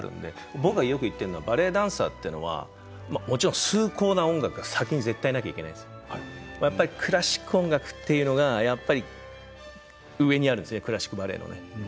僕がよく言ってるのはバレエダンサーはもちろん崇高な音楽が先に絶対なくてはいけないんだけどクラシック音楽というのが上にあるんですクラシックバレエの。